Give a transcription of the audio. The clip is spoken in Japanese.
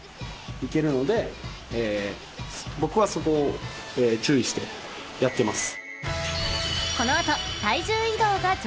僕はそこを注意してやってます。